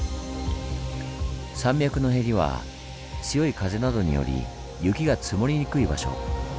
山脈のヘリは強い風などにより雪が積もりにくい場所。